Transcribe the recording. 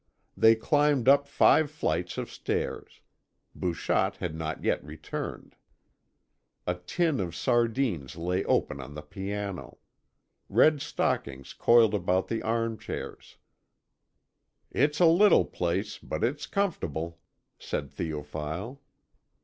They climbed up five flights of stairs. Bouchotte had not yet returned. A tin of sardines lay open on the piano. Red stockings coiled about the arm chairs. "It's a little place, but it's comfortable," said Théophile.